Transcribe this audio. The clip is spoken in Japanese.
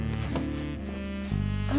あれ？